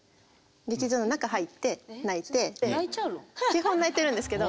基本泣いてるんですけど。